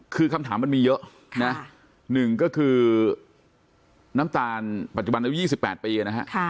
คือคำถามมันมีเยอะหนึ่งก็คือน้ำตาลปัจจุบัน๒๘ปี